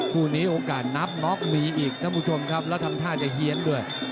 คู่นี้โอกาสนับน็อกมีอีกท่านผู้ชมครับแล้วทำท่าจะเฮียนด้วย